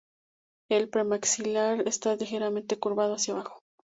El premaxilar está ligeramente curvado hacia abajo.